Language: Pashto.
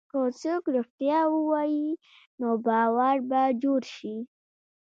که څوک رښتیا ووایي، نو باور به جوړ شي.